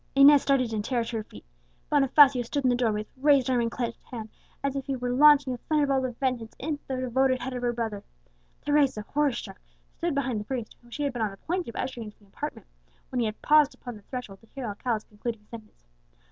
Inez started in terror to her feet. Bonifacio stood in the doorway, with raised arm and clenched hand, as if he were launching a thunderbolt of vengeance at the devoted head of her brother. Teresa, horror struck, stood behind the priest, whom she had been on the point of ushering into the apartment, when he had paused upon the threshold to hear Alcala's concluding sentence.